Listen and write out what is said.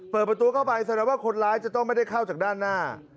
เปิดประตูเข้าไปแสดงว่าคนร้ายจะต้องไม่ได้เข้าจากด้านหน้า